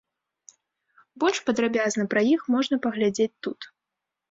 Больш падрабязна пра іх можна паглядзець тут.